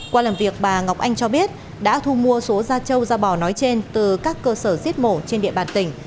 qua làm việc bà ngọc anh cho biết đã thu mua số da trâu da bò nói trên từ các cơ sở giết mổ trên địa bàn tỉnh